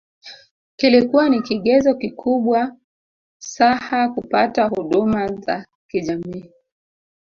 Kilikua ni kigezo kikubwa caha kupata huduma za kijamii